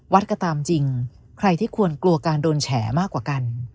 ก็ตามจริงใครที่ควรกลัวการโดนแฉมากกว่ากัน